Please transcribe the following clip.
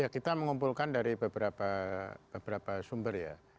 kita mengumpulkan dari beberapa sumber ya